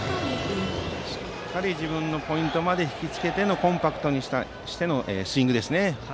しっかり自分のポイントまで引き付けてコンパクトにしてのスイングですね。